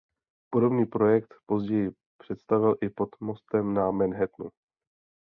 Podobný projekt později představil i pod mostem na Manhattanu.